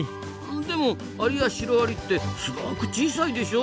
でもアリやシロアリってすごく小さいでしょ。